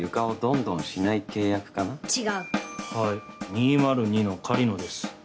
２０２の狩野です。